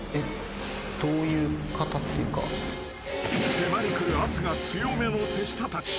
［迫り来る圧が強めの手下たち］